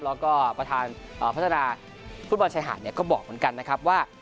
แล้วก็ประธานพัฒนาฟุตบอลชายหาดก็บอกเหมือนกันนะครับว่า